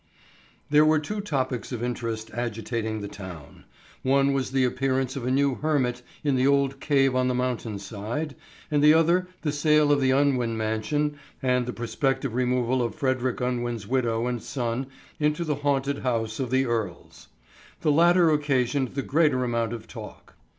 THERE were two topics of interest agitating the town. One was the appearance of a new hermit in the old cave on the mountain side, and the other, the sale of the Unwin mansion and the prospective removal of Frederick Unwin's widow and son into the haunted house of the Earles. The latter occasioned the greater amount of talk.